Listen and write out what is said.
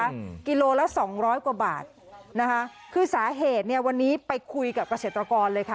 กิโลละสองร้อยกว่าบาทนะคะคือสาเหตุเนี้ยวันนี้ไปคุยกับเกษตรกรเลยค่ะ